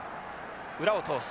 裏を通す。